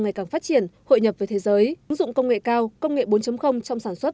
ngày càng phát triển hội nhập với thế giới ứng dụng công nghệ cao công nghệ bốn trong sản xuất